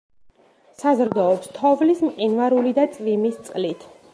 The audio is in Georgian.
საზრდოობს თოვლის, მყინვარული და წვიმის წყლით.